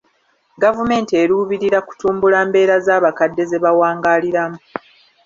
Gavumenti eruubirira kutumbula mbeera z'abakadde ze bawangaaliramu.